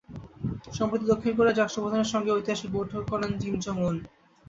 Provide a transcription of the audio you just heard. সম্প্রতি দক্ষিণ কোরিয়ার রাষ্ট্রপ্রধানের সঙ্গেও ঐতিহাসিক বৈঠক করেন কিম জং উন।